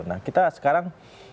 nah kita sekarang